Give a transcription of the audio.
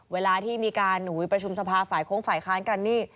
เวลาที่มีการประชุมสภาฝ่ายโค้งฝ่ายค้านกันนี่